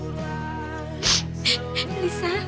terima kasih sayang